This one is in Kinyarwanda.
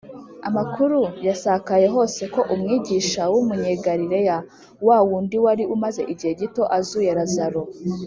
amakuru yasakaye hose ko umwigisha w’umunyegalileya, wa wundi wari umaze igihe gito azuye lazaro,